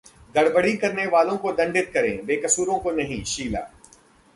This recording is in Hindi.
गड़बड़ी करने वालों को दंडित करें, बेकसूरों को नहीं:शीला